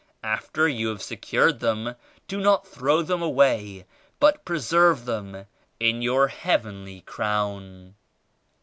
After you have secured them do not throw them away but preserve them in your Heavenly Crown."